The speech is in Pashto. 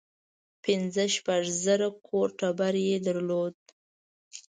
پنځه شپږ زره کور ټبر یې درلود.